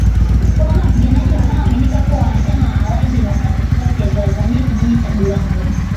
kwamba wapiganaji wanaoaminika kuwa wanachama wa Allied Democratic Forces walivamia kijiji cha Bulongo